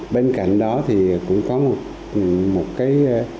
bên cạnh đó thì cũng có một cái